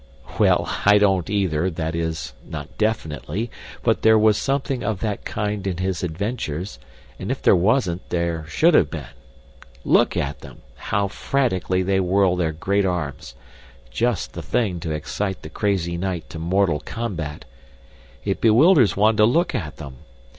"Well, I don't, either, that is, not definitely. But there was something of that kind in his adventures, and if there wasn't, there should have been. Look at them, how frantically they whirl their great arms just the thing to excite the crazy knight to mortal combat. It bewilders one to look at them.